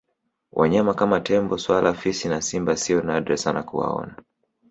Wanyama kama Tembo swala fisi na Simba sio nadra sana kuwaona